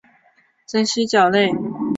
真蜥脚类。